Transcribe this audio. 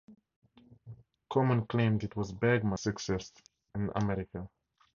Corman claimed it was Bergman's biggest success in America.